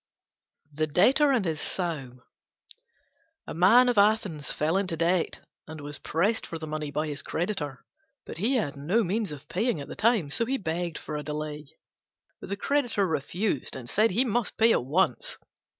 THE DEBTOR AND HIS SOW A Man of Athens fell into debt and was pressed for the money by his creditor; but he had no means of paying at the time, so he begged for delay. But the creditor refused and said he must pay at once.